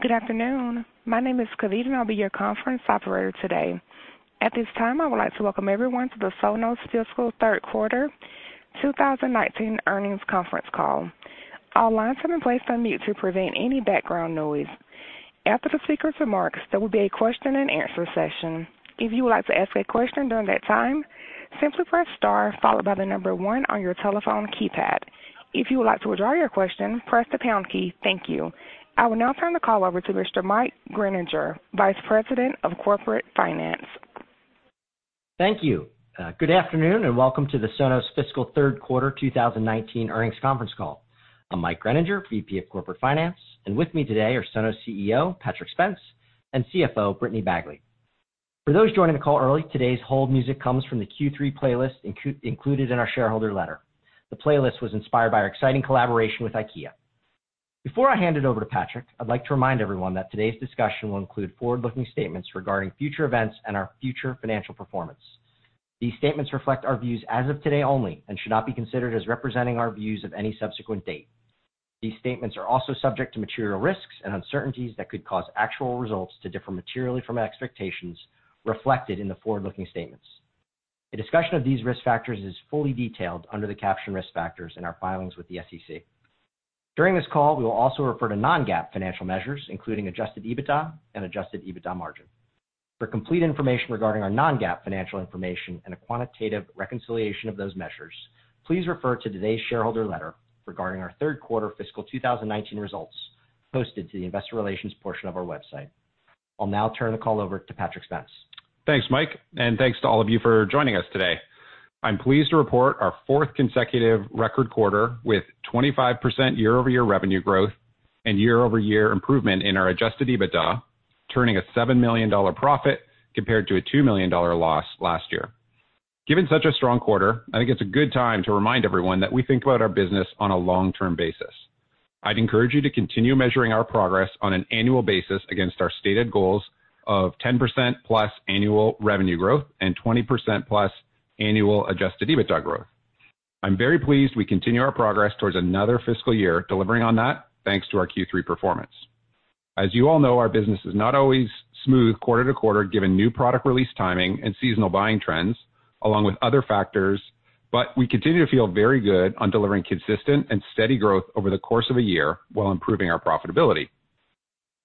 Good afternoon. My name is Kavita, and I'll be your conference operator today. At this time, I would like to welcome everyone to the Sonos Fiscal Third Quarter 2019 Earnings Conference Call. All lines have been placed on mute to prevent any background noise. After the speakers' remarks, there will be a question and answer session. If you would like to ask a question during that time, simply press star followed by the number one on your telephone keypad. If you would like to withdraw your question, press the pound key. Thank you. I will now turn the call over to Mr. Mike Greninger, Vice President of Corporate Finance. Thank you. Good afternoon, and welcome to the Sonos Fiscal Third Quarter 2019 Earnings Conference Call. I'm Mike Greninger, VP of Corporate Finance, and with me today are Sonos CEO, Patrick Spence, and CFO, Brittany Bagley. For those joining the call early, today's hold music comes from the Q3 playlist included in our shareholder letter. The playlist was inspired by our exciting collaboration with IKEA. Before I hand it over to Patrick, I'd like to remind everyone that today's discussion will include forward-looking statements regarding future events and our future financial performance. These statements reflect our views as of today only and should not be considered as representing our views of any subsequent date. These statements are also subject to material risks and uncertainties that could cause actual results to differ materially from our expectations reflected in the forward-looking statements. A discussion of these risk factors is fully detailed under the caption Risk Factors in our filings with the SEC. During this call, we will also refer to non-GAAP financial measures, including adjusted EBITDA and adjusted EBITDA margin. For complete information regarding our non-GAAP financial information and a quantitative reconciliation of those measures, please refer to today's shareholder letter regarding our third quarter fiscal 2019 results posted to the investor relations portion of our website. I'll now turn the call over to Patrick Spence. Thanks, Mike, and thanks to all of you for joining us today. I'm pleased to report our fourth consecutive record quarter with 25% year-over-year revenue growth and year-over-year improvement in our adjusted EBITDA, turning a $7 million profit compared to a $2 million loss last year. Given such a strong quarter, I think it's a good time to remind everyone that we think about our business on a long-term basis. I'd encourage you to continue measuring our progress on an annual basis against our stated goals of 10% plus annual revenue growth and 20% plus annual adjusted EBITDA growth. I'm very pleased we continue our progress towards another fiscal year delivering on that, thanks to our Q3 performance. As you all know, our business is not always smooth quarter to quarter, given new product release timing and seasonal buying trends, along with other factors, but we continue to feel very good on delivering consistent and steady growth over the course of a year while improving our profitability.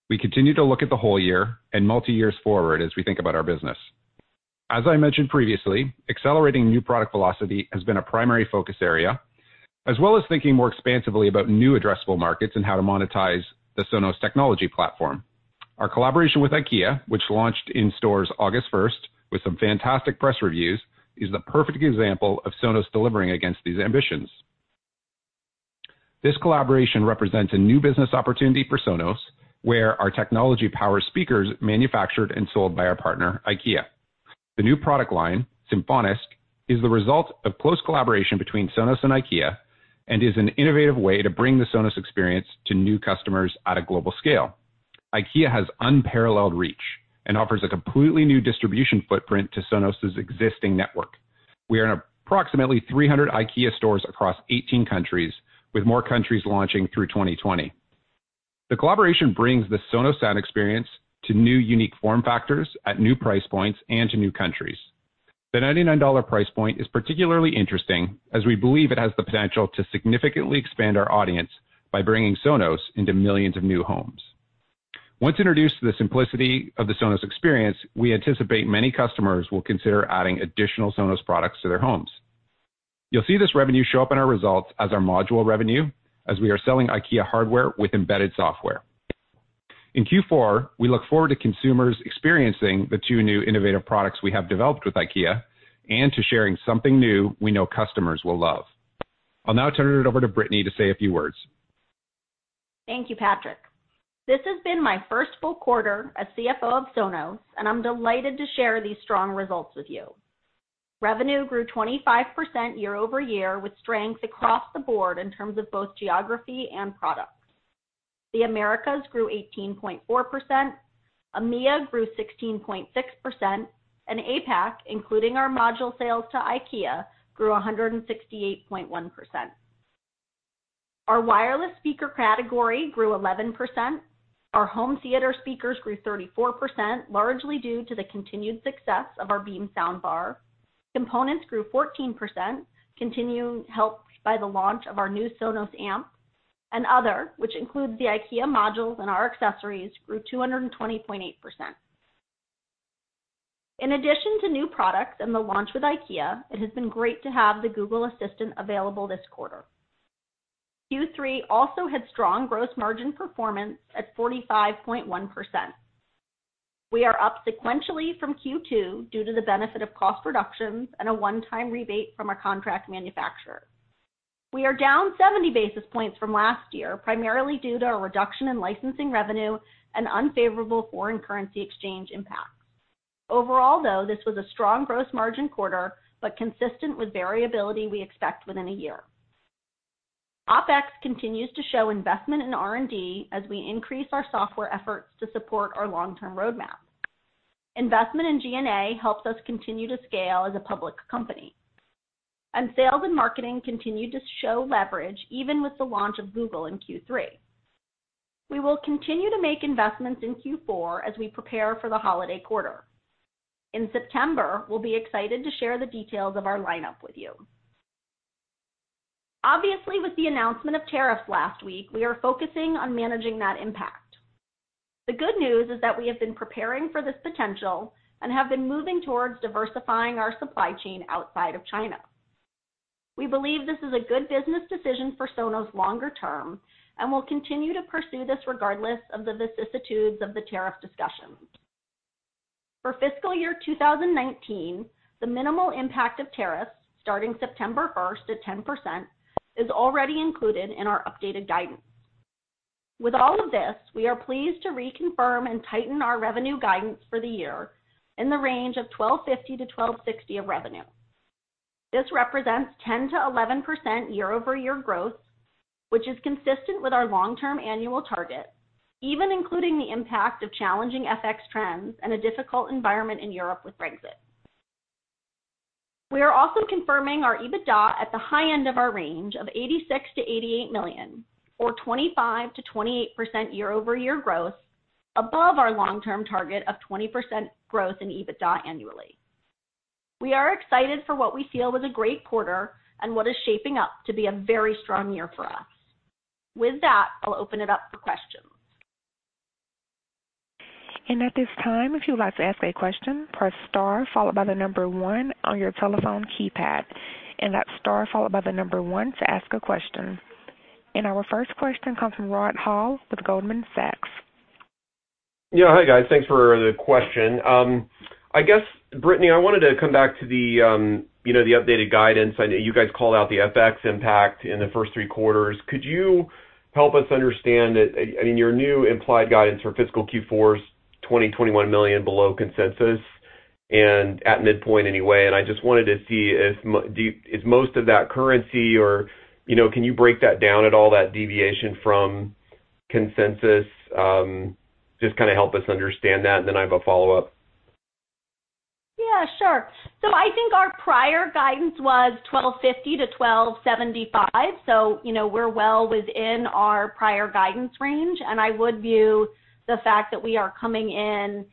We continue to look at the whole year and multi years forward as we think about our business. As I mentioned previously, accelerating new product velocity has been a primary focus area, as well as thinking more expansively about new addressable markets and how to monetize the Sonos technology platform. Our collaboration with IKEA, which launched in stores August 1st with some fantastic press reviews, is the perfect example of Sonos delivering against these ambitions. This collaboration represents a new business opportunity for Sonos, where our technology powers speakers manufactured and sold by our partner, IKEA. The new product line, Symfonisk, is the result of close collaboration between Sonos and IKEA and is an innovative way to bring the Sonos experience to new customers at a global scale. IKEA has unparalleled reach and offers a completely new distribution footprint to Sonos' existing network. We are in approximately 300 IKEA stores across 18 countries, with more countries launching through 2020. The collaboration brings the Sonos sound experience to new unique form factors at new price points and to new countries. The $99 price point is particularly interesting, as we believe it has the potential to significantly expand our audience by bringing Sonos into millions of new homes. Once introduced to the simplicity of the Sonos experience, we anticipate many customers will consider adding additional Sonos products to their homes. You'll see this revenue show up in our results as our module revenue as we are selling IKEA hardware with embedded software. In Q4, we look forward to consumers experiencing the two new innovative products we have developed with IKEA and to sharing something new we know customers will love. I'll now turn it over to Brittany to say a few words. Thank you, Patrick. This has been my first full quarter as CFO of Sonos, and I'm delighted to share these strong results with you. Revenue grew 25% year-over-year with strength across the board in terms of both geography and products. The Americas grew 18.4%, EMEA grew 16.6%, and APAC, including our module sales to IKEA, grew 168.1%. Our wireless speaker category grew 11%. Our home theater speakers grew 34%, largely due to the continued success of our Beam soundbar. Components grew 14%, continuing helped by the launch of our new Sonos Amp. Other, which includes the IKEA modules and our accessories, grew 220.8%. In addition to new products and the launch with IKEA, it has been great to have the Google Assistant available this quarter. Q3 also had strong gross margin performance at 45.1%. We are up sequentially from Q2 due to the benefit of cost reductions and a one-time rebate from our contract manufacturer. We are down 70 basis points from last year, primarily due to a reduction in licensing revenue and unfavorable foreign currency exchange impacts. Overall, though, this was a strong gross margin quarter, but consistent with variability we expect within a year. OpEx continues to show investment in R&D as we increase our software efforts to support our long-term roadmap. Investment in G&A helps us continue to scale as a public company. Sales and marketing continue to show leverage even with the launch of Google in Q3. We will continue to make investments in Q4 as we prepare for the holiday quarter. In September, we'll be excited to share the details of our lineup with you. Obviously, with the announcement of tariffs last week, we are focusing on managing that impact. The good news is that we have been preparing for this potential and have been moving towards diversifying our supply chain outside of China. We believe this is a good business decision for Sonos longer term and will continue to pursue this regardless of the vicissitudes of the tariff discussions. For fiscal year 2019, the minimal impact of tariffs starting September 1st at 10% is already included in our updated guidance. With all of this, we are pleased to reconfirm and tighten our revenue guidance for the year in the range of $1,250 million-$1,260 million of revenue. This represents 10%-11% year-over-year growth, which is consistent with our long-term annual target, even including the impact of challenging FX trends and a difficult environment in Europe with Brexit. We are also confirming our EBITDA at the high end of our range of $86 million-$88 million, or 25%-28% year-over-year growth above our long-term target of 20% growth in EBITDA annually. We are excited for what we feel was a great quarter and what is shaping up to be a very strong year for us. With that, I'll open it up for questions. At this time, if you would like to ask a question, press star followed by the number one on your telephone keypad. That's star followed by the number one to ask a question. Our first question comes from Rod Hall with Goldman Sachs. Yeah. Hi, guys. Thanks for the question. I guess, Brittany, I wanted to come back to the updated guidance. I know you guys called out the FX impact in the first three quarters. Could you help us understand it, I mean, your new implied guidance for fiscal Q4 is $20 million, $21 million below consensus, and at midpoint anyway? I just wanted to see is most of that currency or can you break that down at all, that deviation from consensus? Just help us understand that, and then I have a follow-up. I think our prior guidance was $1,250-$1,275. We're well within our prior guidance range, and I would view the fact that we are coming in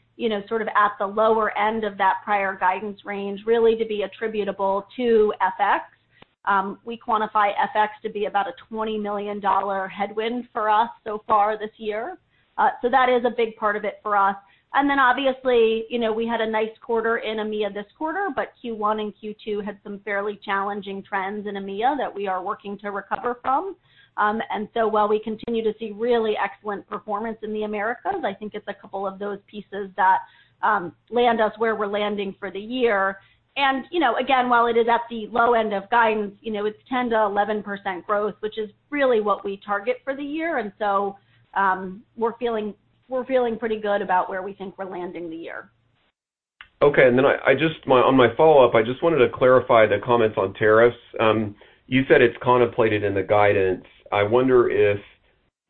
sort of at the lower end of that prior guidance range, really to be attributable to FX. We quantify FX to be about a $20 million headwind for us so far this year. That is a big part of it for us. Obviously, we had a nice quarter in EMEA this quarter, but Q1 and Q2 had some fairly challenging trends in EMEA that we are working to recover from. While we continue to see really excellent performance in the Americas, I think it's a couple of those pieces that land us where we're landing for the year. Again, while it is at the low end of guidance, it's 10%-11% growth, which is really what we target for the year. We're feeling pretty good about where we think we're landing the year. Okay. On my follow-up, I just wanted to clarify the comments on tariffs. You said it's contemplated in the guidance. I wonder if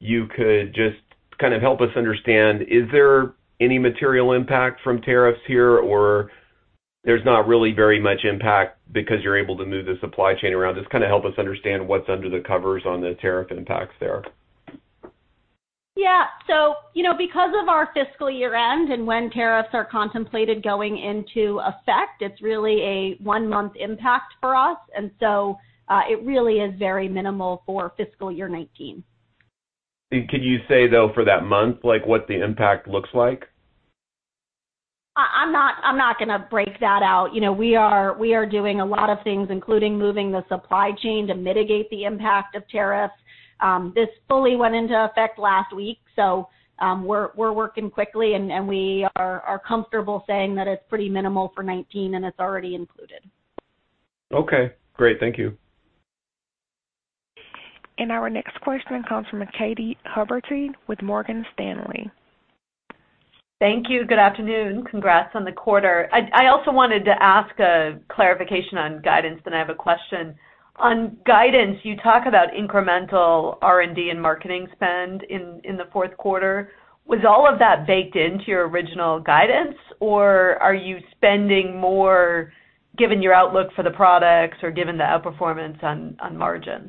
you could just help us understand, is there any material impact from tariffs here, or there's not really very much impact because you're able to move the supply chain around? Just help us understand what's under the covers on the tariff impacts there. Yeah. Because of our fiscal year-end and when tariffs are contemplated going into effect, it's really a one-month impact for us. It really is very minimal for fiscal year 2019. Could you say, though, for that month, what the impact looks like? I'm not going to break that out. We are doing a lot of things, including moving the supply chain to mitigate the impact of tariffs. This fully went into effect last week, so we're working quickly, and we are comfortable saying that it's pretty minimal for 2019, and it's already included. Okay, great. Thank you. Our next question comes from Katy Huberty with Morgan Stanley. Thank you. Good afternoon. Congrats on the quarter. I also wanted to ask a clarification on guidance. I have a question. On guidance, you talk about incremental R&D and marketing spend in the fourth quarter. Was all of that baked into your original guidance, or are you spending more given your outlook for the products or given the outperformance on margins?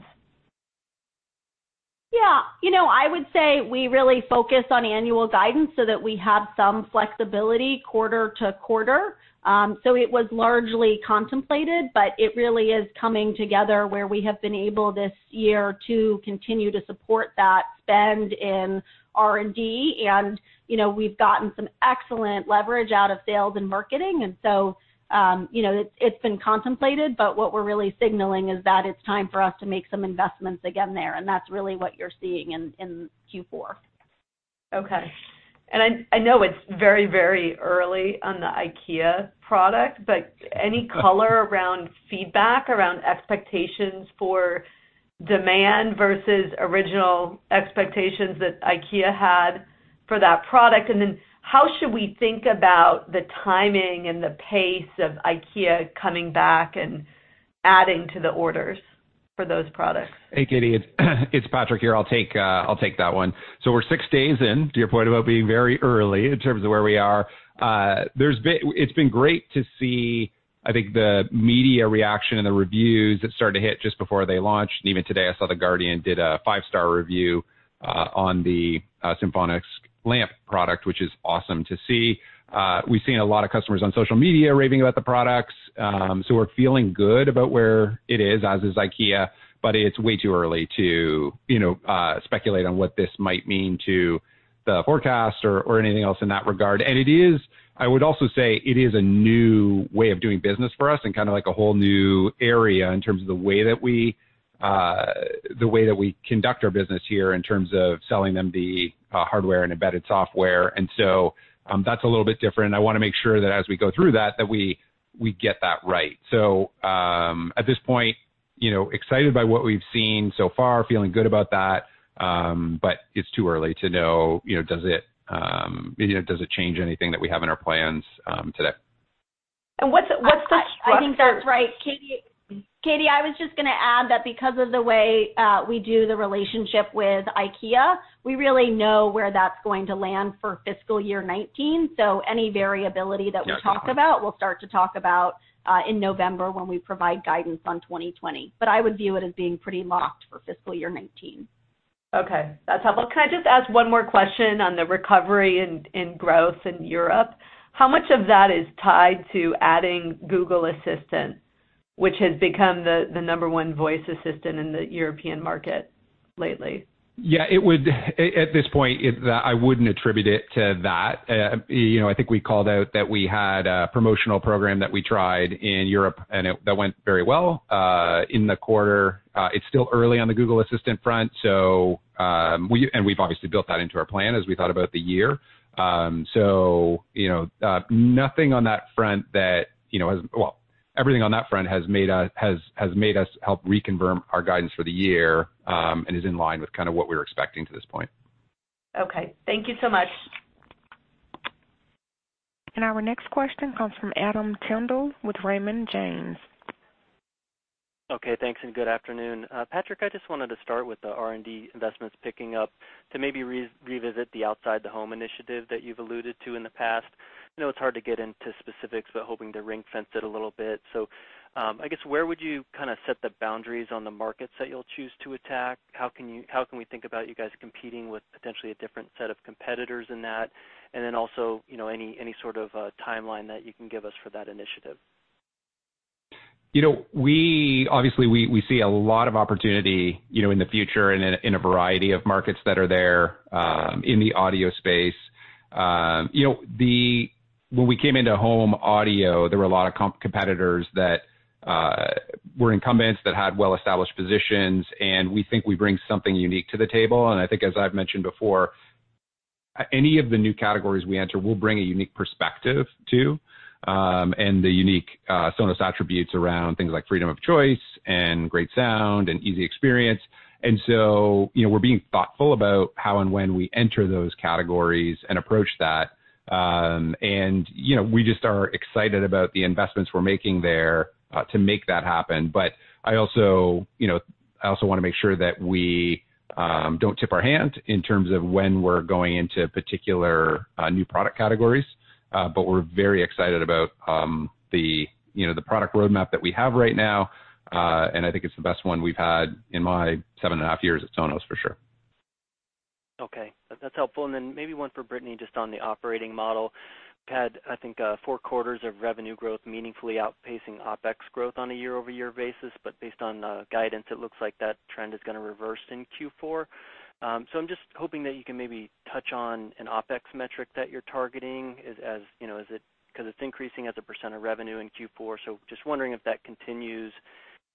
Yeah. I would say we really focus on annual guidance so that we have some flexibility quarter to quarter. It was largely contemplated, but it really is coming together where we have been able this year to continue to support that spend in R&D, and we've gotten some excellent leverage out of sales and marketing. It's been contemplated, but what we're really signaling is that it's time for us to make some investments again there, and that's really what you're seeing in Q4. Okay. I know it's very early on the IKEA product, any color around feedback, around expectations for demand versus original expectations that IKEA had for that product. How should we think about the timing and the pace of IKEA coming back and adding to the orders for those products? Hey, Katy, it's Patrick here. I'll take that one. We're six days in, to your point about being very early in terms of where we are. It's been great to see, I think, the media reaction and the reviews that started to hit just before they launched. Even today, I saw The Guardian did a five-star review on the Symfonisk lamp product, which is awesome to see. We've seen a lot of customers on social media raving about the products, we're feeling good about where it is, as is IKEA, it's way too early to speculate on what this might mean to the forecast or anything else in that regard. I would also say it is a new way of doing business for us and kind of like a whole new area in terms of the way that we conduct our business here in terms of selling them the hardware and embedded software. That's a little bit different, and I want to make sure that as we go through that, we get that right. At this point, excited by what we've seen so far, feeling good about that. It's too early to know, does it change anything that we have in our plans today? And what's the- I think that's right, Katy. Katy, I was just going to add that because of the way we do the relationship with IKEA, we really know where that's going to land for fiscal year 2019. Any variability that we talk about, we'll start to talk about in November when we provide guidance on 2020. I would view it as being pretty locked for fiscal year 2019. Okay. That's helpful. Can I just ask one more question on the recovery and growth in Europe? How much of that is tied to adding Google Assistant, which has become the number one voice assistant in the European market lately? Yeah. At this point, I wouldn't attribute it to that. I think we called out that we had a promotional program that we tried in Europe and that went very well in the quarter. It's still early on the Google Assistant front, and we've obviously built that into our plan as we thought about the year. Everything on that front has made us help reconfirm our guidance for the year, and is in line with kind of what we're expecting to this point. Okay. Thank you so much. Our next question comes from Adam Tindle with Raymond James. Okay, thanks, and good afternoon. Patrick, I just wanted to start with the R&D investments picking up to maybe revisit the Outside the Home initiative that you've alluded to in the past. I know it's hard to get into specifics, but hoping to ring-fence it a little bit. I guess, where would you set the boundaries on the markets that you'll choose to attack? How can we think about you guys competing with potentially a different set of competitors in that? Then also, any sort of timeline that you can give us for that initiative? Obviously, we see a lot of opportunity in the future in a variety of markets that are there in the audio space. When we came into home audio, there were a lot of competitors that were incumbents that had well-established positions, and we think we bring something unique to the table, and I think, as I've mentioned before, any of the new categories we enter, we'll bring a unique perspective to, and the unique Sonos attributes around things like freedom of choice and great sound and easy experience. We're being thoughtful about how and when we enter those categories and approach that. We just are excited about the investments we're making there to make that happen. I also want to make sure that we don't tip our hand in terms of when we're going into particular new product categories. We're very excited about the product roadmap that we have right now, and I think it's the best one we've had in my seven and a half years at Sonos, for sure. Okay. That's helpful. Then maybe one for Brittany, just on the operating model. You've had, I think, four quarters of revenue growth meaningfully outpacing OpEx growth on a year-over-year basis. Based on guidance, it looks like that trend is going to reverse in Q4. I'm just hoping that you can maybe touch on an OpEx metric that you're targeting, because it's increasing as a % of revenue in Q4, just wondering if that continues.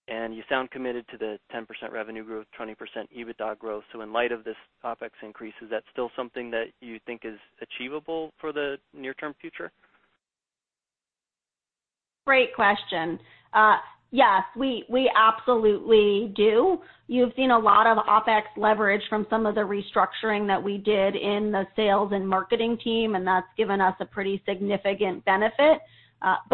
You sound committed to the 10% revenue growth, 20% EBITDA growth. In light of this OpEx increase, is that still something that you think is achievable for the near-term future? Great question. Yes, we absolutely do. You've seen a lot of OpEx leverage from some of the restructuring that we did in the sales and marketing team, and that's given us a pretty significant benefit.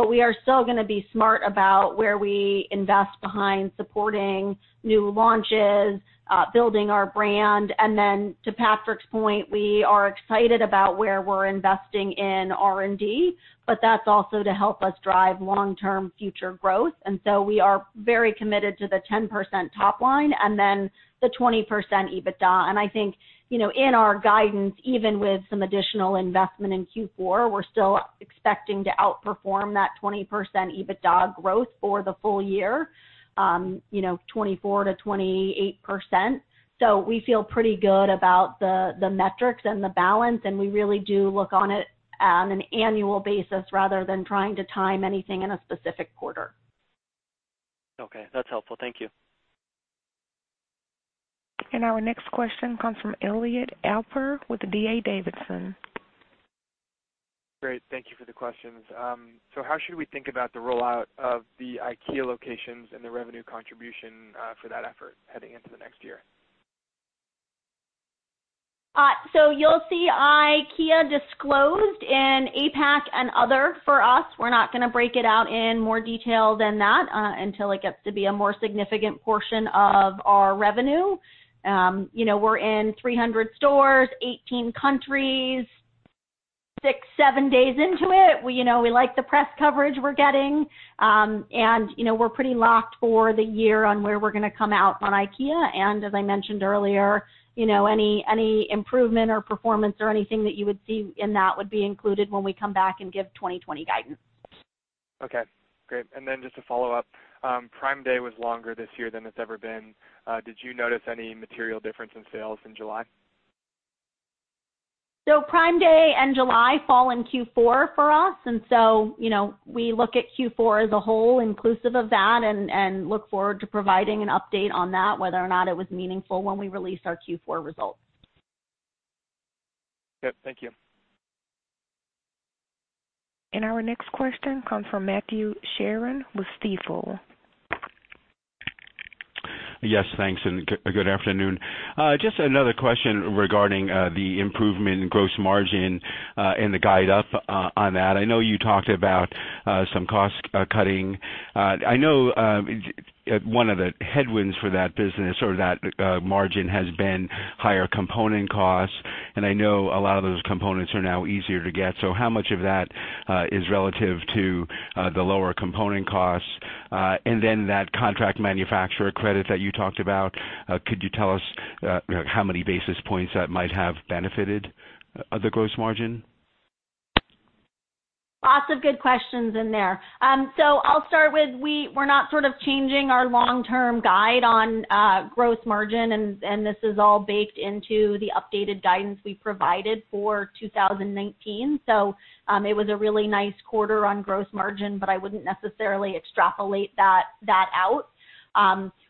We are still going to be smart about where we invest behind supporting new launches, building our brand, and then to Patrick's point, we are excited about where we're investing in R&D, but that's also to help us drive long-term future growth. We are very committed to the 10% top line and then the 20% EBITDA. I think, in our guidance, even with some additional investment in Q4, we're still expecting to outperform that 20% EBITDA growth for the full year, 24%-28%. We feel pretty good about the metrics and the balance, and we really do look on it on an annual basis rather than trying to time anything in a specific quarter. Okay, that's helpful. Thank you. Our next question comes from Elliot Alper with D.A. Davidson. Great. Thank you for the questions. How should we think about the rollout of the IKEA locations and the revenue contribution for that effort heading into the next year? You'll see IKEA disclosed in APAC and other for us. We're not going to break it out in more detail than that until it gets to be a more significant portion of our revenue. We're in 300 stores, 18 countries, six, seven days into it. We like the press coverage we're getting. We're pretty locked for the year on where we're going to come out on IKEA. As I mentioned earlier, any improvement or performance or anything that you would see in that would be included when we come back and give 2020 guidance. Okay, great. Just a follow-up. Prime Day was longer this year than it's ever been. Did you notice any material difference in sales in July? Prime Day and July fall in Q4 for us, we look at Q4 as a whole inclusive of that and look forward to providing an update on that, whether or not it was meaningful when we release our Q4 results. Yep. Thank you. Our next question comes from Matthew Sheerin with Stifel. Yes, thanks, and good afternoon. Just another question regarding the improvement in gross margin and the guide up on that. I know you talked about some cost-cutting. I know one of the headwinds for that business or that margin has been higher component costs, and I know a lot of those components are now easier to get. How much of that is relative to the lower component costs? That contract manufacturer credit that you talked about, could you tell us how many basis points that might have benefited the gross margin? Lots of good questions in there. I'll start with, we're not sort of changing our long-term guide on gross margin, and this is all baked into the updated guidance we provided for 2019. It was a really nice quarter on gross margin, but I wouldn't necessarily extrapolate that out.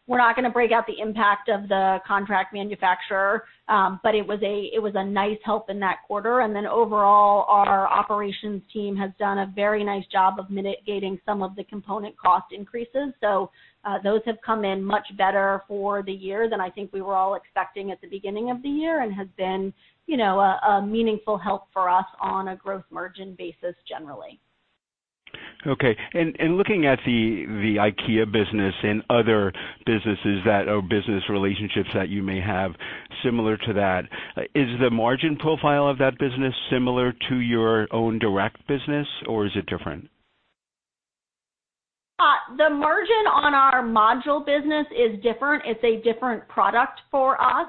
We're not going to break out the impact of the contract manufacturer, but it was a nice help in that quarter. Overall, our operations team has done a very nice job of mitigating some of the component cost increases. Those have come in much better for the year than I think we were all expecting at the beginning of the year and has been a meaningful help for us on a gross margin basis generally. Okay. Looking at the IKEA business and other businesses that are business relationships that you may have similar to that, is the margin profile of that business similar to your own direct business, or is it different? The margin on our module business is different. It's a different product for us.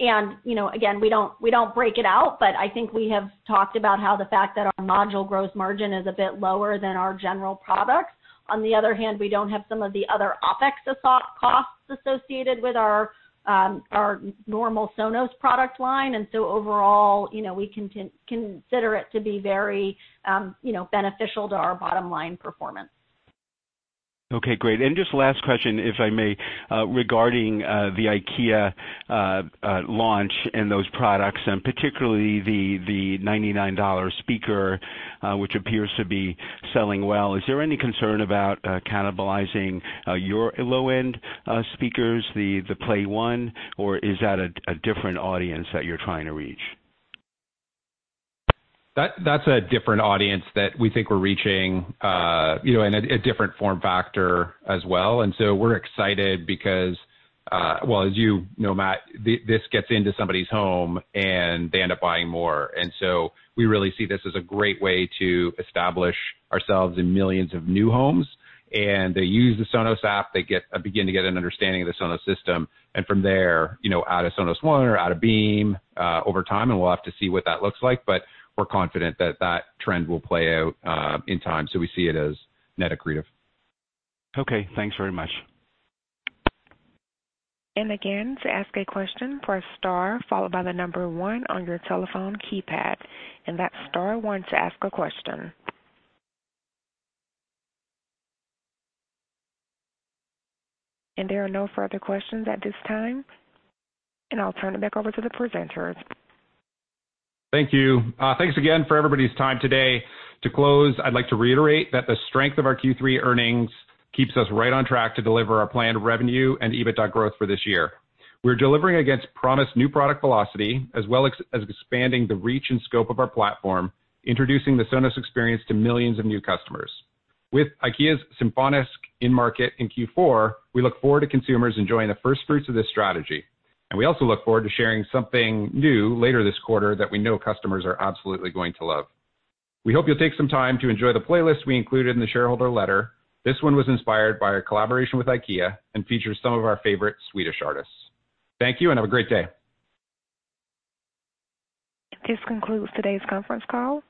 And again, we don't break it out, but I think we have talked about how the fact that our module gross margin is a bit lower than our general products. On the other hand, we don't have some of the other OpEx costs associated with our normal Sonos product line, and so overall we consider it to be very beneficial to our bottom line performance. Okay, great. Just last question, if I may, regarding the IKEA launch and those products, and particularly the $99 speaker, which appears to be selling well. Is there any concern about cannibalizing your low-end speakers, the PLAY:1, or is that a different audience that you're trying to reach? That's a different audience that we think we're reaching, and a different form factor as well. We're excited because, well, as you know, Matt, this gets into somebody's home, and they end up buying more. We really see this as a great way to establish ourselves in millions of new homes. They use the Sonos app, they begin to get an understanding of the Sonos system, and from there, add a Sonos One or add a Beam over time, and we'll have to see what that looks like, but we're confident that that trend will play out in time, so we see it as net accretive. Okay, thanks very much. Again, to ask a question, press star followed by the number one on your telephone keypad. That's star one to ask a question. There are no further questions at this time, and I'll turn it back over to the presenters. Thank you. Thanks again for everybody's time today. To close, I'd like to reiterate that the strength of our Q3 earnings keeps us right on track to deliver our planned revenue and EBITDA growth for this year. We're delivering against promised new product velocity as well as expanding the reach and scope of our platform, introducing the Sonos experience to millions of new customers. With IKEA's Symfonisk in market in Q4, we look forward to consumers enjoying the first fruits of this strategy. We also look forward to sharing something new later this quarter that we know customers are absolutely going to love. We hope you'll take some time to enjoy the playlist we included in the shareholder letter. This one was inspired by our collaboration with IKEA and features some of our favorite Swedish artists. Thank you and have a great day. This concludes today's conference call.